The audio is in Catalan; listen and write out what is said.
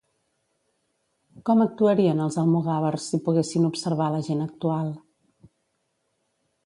Com actuarien els almogàvers si poguessin observar la gent actual?